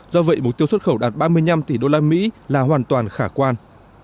do vậy mục tiêu xuất khẩu đạt ba mươi năm tỷ usd là hoàn toàn khả quan